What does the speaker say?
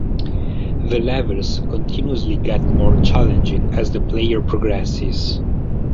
The levels continuously get more challenging as the player progresses.